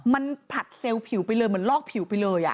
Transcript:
มันผลัดเซลล์ผิวไปเลยเหมือนลอกผิวไปเลย